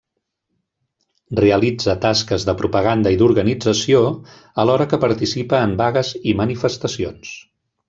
Realitza tasques de propaganda i d'organització, alhora que participa en vagues i manifestacions.